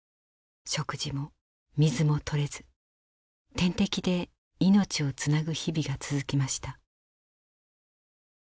食事も水もとれず点滴で命をつなぐ日々が続きました。